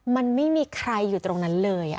มันไม่มีใครอยู่ตรงนั้นเลย